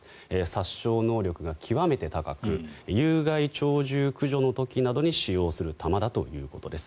殺傷能力が極めて高く有害鳥獣駆除の時などに使用する弾だということです。